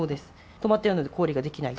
止まってるので氷ができない。